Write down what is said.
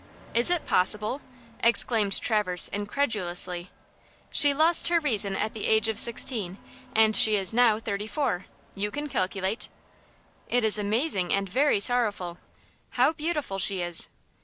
"Is it possible?" exclaimed Traverse, incredulously. "She lost her reason at the age of sixteen, and she is now thirty four; you can calculate!" "It is amazing and very sorrowful! How beautiful she is!"